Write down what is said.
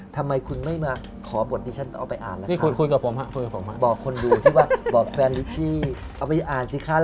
ทำไมคุณไม่มาขอบทที่ฉันเอาไปอ่านล่ะค่ะ